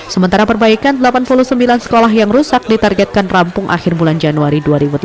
sementara perbaikan delapan puluh sembilan sekolah yang rusak ditargetkan rampung akhir bulan januari